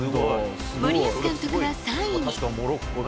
森保監督は３位に。